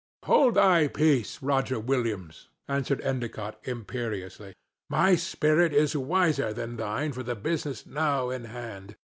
"Hold thy peace, Roger Williams!" answered Endicott, imperiously. "My spirit is wiser than thine for the business now in hand.